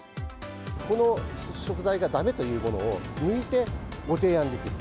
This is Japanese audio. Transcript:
この食材がだめというものを抜いてご提案できる。